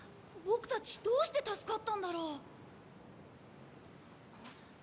ボクたちどうして助かったんだろう？